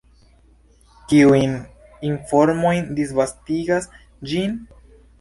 Kiujn informojn disvastigas ĝi?